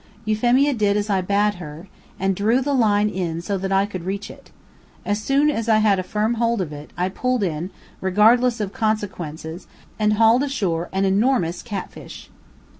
Euphemia did as I bade her, and drew the line in so that I could reach it. As soon as I had a firm hold of it, I pulled in, regardless of consequences, and hauled ashore an enormous cat fish.